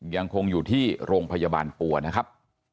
ยังคงอยู่ที่โรงพยาบาลปัวนะครับ